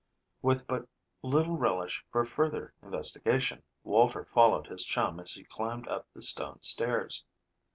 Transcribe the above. With but little relish for further investigation, Walter followed his chum as he climbed up the stone stairs.